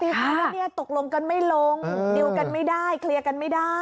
ตีความนี้ตกลงกันไม่ลงดูกันไม่ได้เคลียร์กันไม่ได้